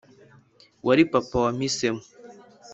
wari papa wampisemo.